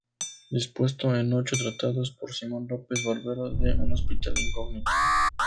Dispuesto en ocho tratados, por Simón López, Barbero de un hospital incógnito.